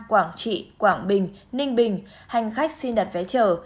quảng trị quảng bình ninh bình hành khách xin đặt vé chờ